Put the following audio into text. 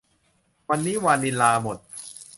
วันนี้วานิลลาหมด